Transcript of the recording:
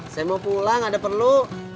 saya mau pulang ada perlu